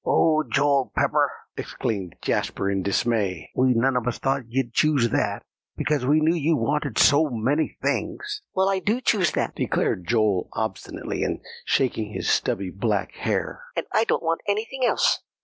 "O Joel Pepper!" exclaimed Jasper in dismay, "we none of us thought you'd choose that, because we knew you wanted so many things." "Well, I do choose that," declared Joel obstinately, and shaking his stubby black hair; "and I don't want anything else.